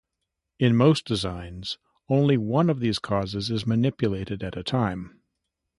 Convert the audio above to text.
In most designs, only one of these causes is manipulated at a time.